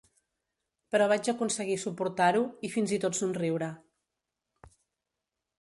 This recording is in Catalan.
Però vaig aconseguir suportar-ho, i fins i tot somriure.